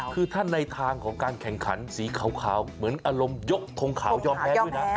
คือถ้าในทางของการแข่งขันสีขาวเหมือนอารมณ์ยกทงขาวยอมแพ้ด้วยนะ